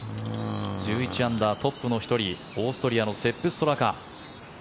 １１アンダー、トップの１人オーストリアのセップ・ストラカ。